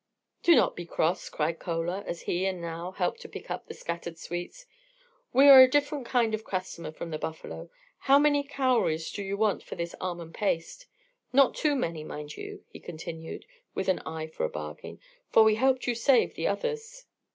"Do not be cross," replied Chola, as he and Nao helped to pick up the scattered sweets. "We are a different kind of customer from the buffalo. How many 'cowries' do you want for this almond paste? Not too many, mind you," he continued, with an eye for a bargain, "for we helped you save the others."